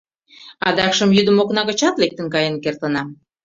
Адакшым йӱдым окна гычат лектын каен кертынам.